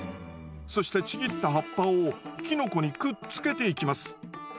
そしてちぎった葉っぱをキノコにくっつけていきます。